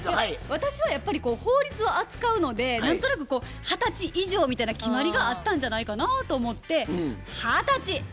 私はやっぱり法律を扱うので何となく二十歳以上みたいな決まりがあったんじゃないかなと思って二十歳！